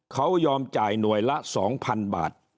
เขายอมจ่ายหน่วยละ๒๐๐๐บาท